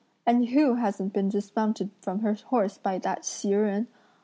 and who hasn't been dismounted from her horse by Hsi Jen?